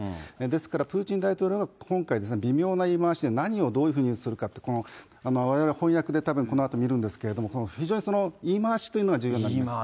ですから、プーチン大統領が今回、微妙な言い回しで、何をどういうふうにするかって、このわれわれ、翻訳でこのあと見るんですけど、非常に言い回しというのが重要になります。